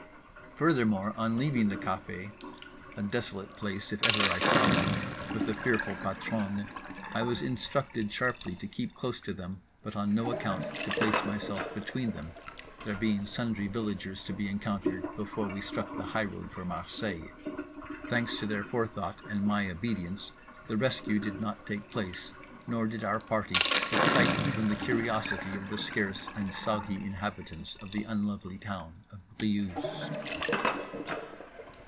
Furthermore, on leaving the café (a desolate place if I ever saw one, with a fearful patronne) I was instructed sharply to keep close to them but on no account to place myself between them, there being sundry villagers to be encountered before we struck the highroad for Marseilles. Thanks to their forethought and my obedience the rescue did not take place, nor did our party excite even the curiosity of the scarce and soggy inhabitants of the unlovely town of Briouse.